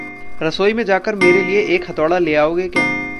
रसोई में जाकर मेरे लिए एक हथौड़ा ले आओगे क्या?